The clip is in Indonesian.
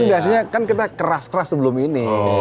tapi biasanya kan kita keras keras sebelum ini